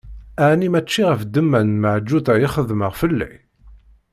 Ɛni mačči ɣef ddemma n Meɛǧuṭa i xedmeɣ fell-ak?